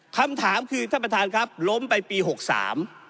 คำถามคือท่านประธานครับล้มไปปีหกสาม